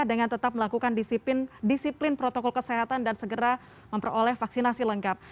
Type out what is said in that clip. dengan tetap melakukan disiplin protokol kesehatan dan segera memperoleh vaksinasi lengkap